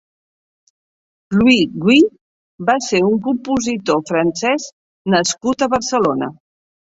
Louiguy va ser un compositor francès nascut a Barcelona.